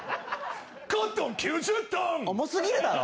「コットン９０トン」重すぎるだろ。